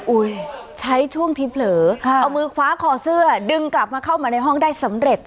ใช้ช่วงที่เผลอเอามือคว้าคอเสื้อดึงกลับมาเข้ามาในห้องได้สำเร็จ